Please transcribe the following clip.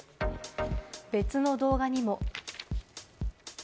別の動画にも。